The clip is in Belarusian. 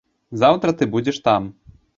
Заўтра ты будзеш там.